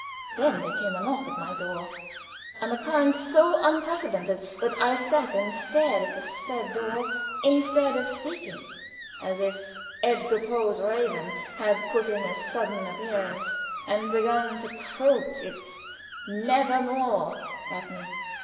Then there came a knock at my door, an occurrence so unprecedented that I sat and stared at the said door instead of speaking, as if Edgar Poe's raven had put in a sudden appearance and begun to croak its "never more" at me.